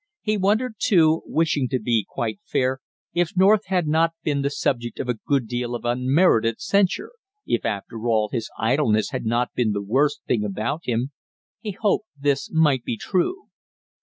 He wondered, too, wishing to be quite fair, if North had not been the subject of a good deal of unmerited censure, if, after all, his idleness had not been the worst thing about him. He hoped this might be true.